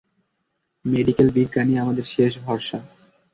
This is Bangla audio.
মেডিকেল বিজ্ঞানই আমাদের শেষ ভরসা।